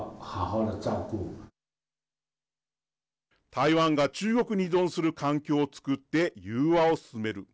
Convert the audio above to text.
台湾が中国に依存する環境をつくって融和を進める。